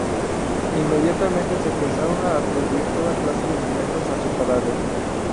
Inmediatamente se empezaron a atribuir toda clase de milagros a su cadáver.